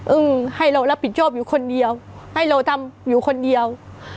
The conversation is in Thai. ให้เรารับผิดชอบอยู่คนเดียวให้เราทำอยู่คนเดียว